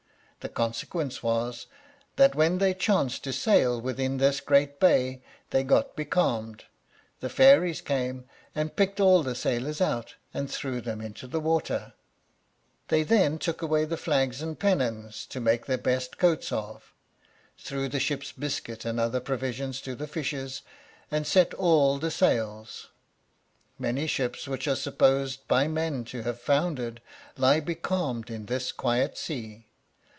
The consequence was, that when they chanced to sail within this great bay they got becalmed; the fairies came and picked all the sailors out and threw them into the water; they then took away the flags and pennons to make their best coats of, threw the ship biscuits and other provisions to the fishes, and set all the sails. Many ships which are supposed by men to have foundered lie becalmed in this quiet sea.